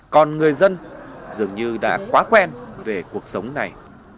còn người dân dường như đã quá quen về cuộc sống này